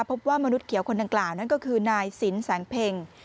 มนุษย์เขียวคนดังกล่าวนั่นก็คือนายสินแสงเพ็ง